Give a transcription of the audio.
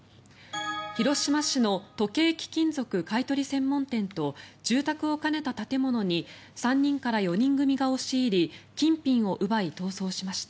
広島市の時計・貴金属買い取り専門店と住宅を兼ねた建物に３人から４人組が押し入り金品を奪い、逃走しました。